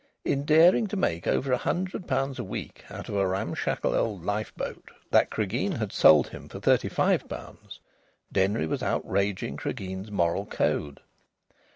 In daring to make over a hundred pounds a week out of a ramshackle old lifeboat that Cregeen had sold to him for thirty five pounds, Denry was outraging Cregeen's moral code.